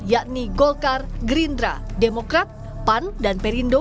yakni golkar gerindra demokrat pan dan perindo